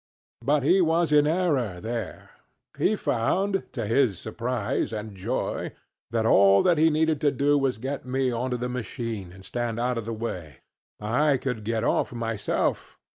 But he was in error there. He found, to his surprise and joy, that all that he needed to do was to get me on to the machine and stand out of the way; I could get off, myself.